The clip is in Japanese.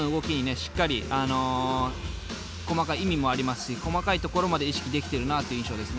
しっかり細かい意味もありますし細かいところまで意識できてるなという印象ですね